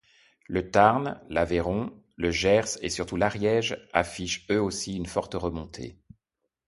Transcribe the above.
Le Tarn, l'Aveyron, le Gers et surtout l'Ariège, affichent eux aussi une forte remontée.